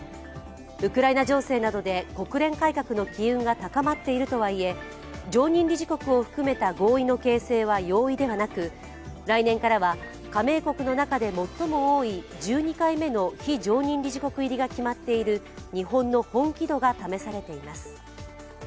ウクライナ情勢などで国連改革の機運が高まっているとはいえ常任理事国を含めた合意の形成は容易ではなく来年からは加盟国の中で最も多い１２回目の非常任理事国入りが決まっている日本の本気度が試されています。